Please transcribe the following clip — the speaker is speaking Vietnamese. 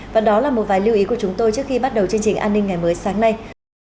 và đó là một vài lưu ý của chúng tôi trước khi bắt đầu chương trình an ninh ngày mới sáng nay